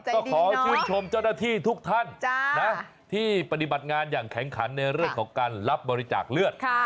ก็ขอชื่นชมเจ้าหน้าที่ทุกท่านที่ปฏิบัติงานอย่างแข็งขันในเรื่องของการรับบริจาคเลือด